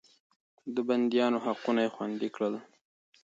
د بنديانو حقونه يې خوندي کړل.